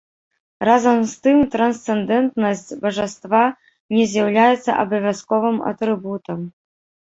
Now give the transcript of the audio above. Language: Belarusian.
Разам з тым, трансцэндэнтнасць бажаства не з'яўляецца абавязковым атрыбутам.